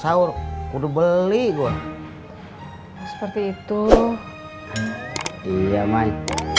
sama sahur udah beli gua seperti itu iya main